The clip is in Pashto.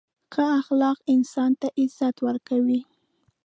• ښه اخلاق انسان ته عزت ورکوي.